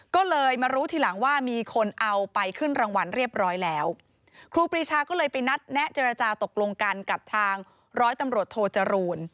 ก็เลยมารู้ทีหลังว่ามีคนเอาไปขึ้นรางวัลเรียบร้อยแล้วครูปรีชาก็เลยไปนัดแนะเจรจาตกลงกันกับทางร้อยตำรวจโทจรูล